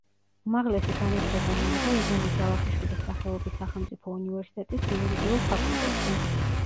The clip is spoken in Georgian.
უმაღლესი განათლება მიიღო ივანე ჯავახიშვილის სახელობის სახელმწიფო უნივერსიტეტის იურიდიულ ფაკულტეტზე.